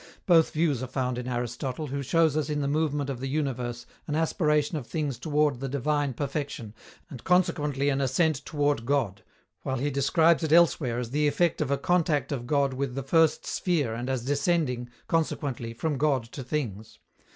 Both views are found in Aristotle, who shows us in the movement of the universe an aspiration of things toward the divine perfection, and consequently an ascent toward God, while he describes it elsewhere as the effect of a contact of God with the first sphere and as descending, consequently, from God to things.